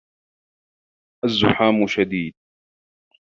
الزِّحامُ شَدِيدٌ.